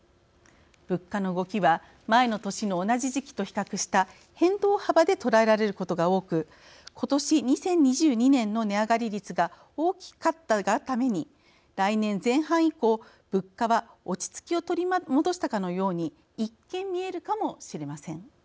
物価の動きは前の年の同じ時期と比較した変動幅で捉えられることが多く今年２０２２年の値上がり率が大きかったがために来年前半以降物価は落ち着きを取り戻したかのように一見、見えるかもしれません。